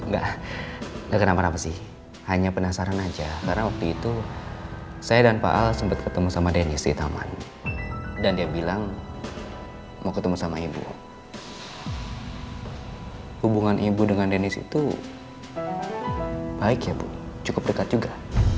gak kenapa sih hanya penasaran aja karena waktu itu saya dan pak al sempat ketemu sama denis di taman dan dia bilang mau ketemu sama ibu hubungan ibu dengan denis itu baik ya bu cukup dekat juga